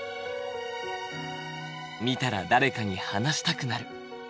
見たら誰かに話したくなる。